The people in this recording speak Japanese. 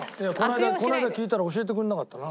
この間聞いたら教えてくれなかったな。